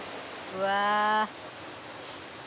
うわ。